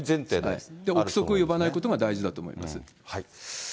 でも、臆測を呼ばないことが大事だと思います。